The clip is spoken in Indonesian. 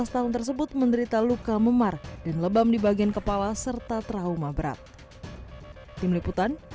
lima belas tahun tersebut menderita luka memar dan lebam di bagian kepala serta trauma berat tim liputan